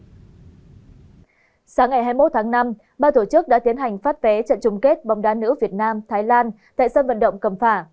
sáng ngày hai mươi một tháng năm ba tổ chức đã tiến hành phát vé trận chung kết bóng đá nữ việt nam thái lan tại sân vận động cầm phả